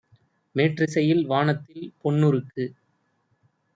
மேற்றிசையில் வானத்தில் பொன்னு ருக்கு